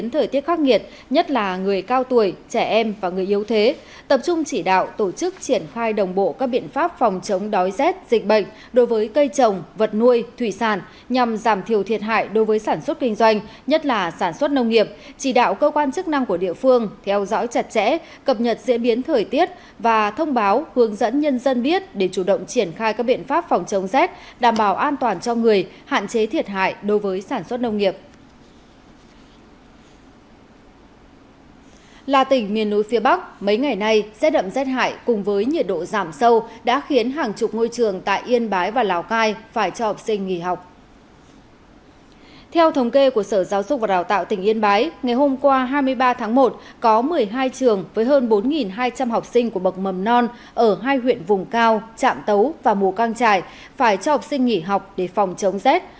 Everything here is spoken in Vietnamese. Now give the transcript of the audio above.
theo thống kê của sở giáo dục và đào tạo tỉnh yên bái ngày hôm qua hai mươi ba tháng một có một mươi hai trường với hơn bốn hai trăm linh học sinh của bậc mầm non ở hai huyện vùng cao trạm tấu và mùa căng trải phải cho học sinh nghỉ học để phòng chống rét